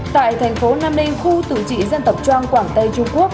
tại thành phố nam ninh khu tự trị dân tộc trang quảng tây trung quốc